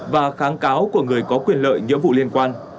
và kháng cáo của người có quyền lợi nghĩa vụ liên quan